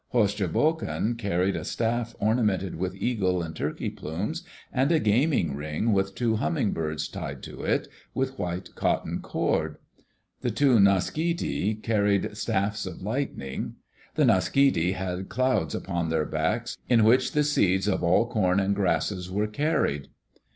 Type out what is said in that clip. Hostjoghon carried a staff ornamented with eagle and turkey plumes and a gaming ring with two humming birds tied to it with white cotton cord. The two Naaskiddi carried staffs of lightning. The Naaskiddi had clouds upon their backs in which the seeds of all corn and grasses were carried.